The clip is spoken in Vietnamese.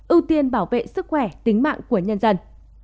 ưu tiên bảo vệ sức khỏe tính mạng của nhân dân